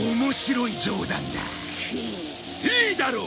いいだろう。